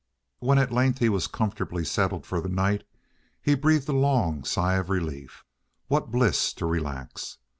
When at length he was comfortably settled for the night he breathed a long sigh of relief. What bliss to relax!